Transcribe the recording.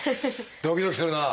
ドキドキするなあ。